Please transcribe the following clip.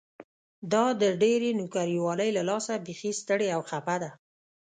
دا د ډېرې نوکري والۍ له لاسه بيخي ستړې او خپه ده.